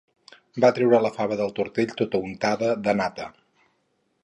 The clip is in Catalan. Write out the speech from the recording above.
Va traure la fava del tortell tota untada de nata.